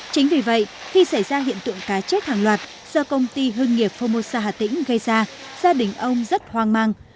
chính vì vậy khi xảy ra hiện tượng cá chết hàng loạt do công ty hương nghiệp formosa hà tĩnh gây ra gia đình ông rất hoang mang